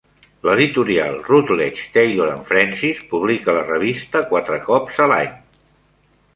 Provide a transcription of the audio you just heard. L'editorial "Routledge Taylor and Francis" publica la revista quatre cops a l'any.